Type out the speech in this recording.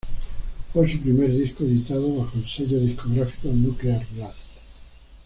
Fue su primer disco editado bajo el sello discográfico Nuclear Blast.